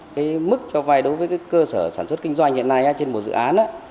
cái mức cho vay đối với cơ sở sản xuất kinh doanh hiện nay trên một dự án á